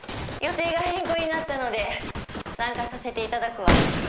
予定が変更になったので参加させていただくわ。